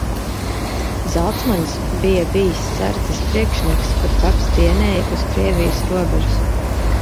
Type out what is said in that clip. Zalcmanis bija bijis sardzes priekšnieks, kur paps dienēja uz Krievijas robežas.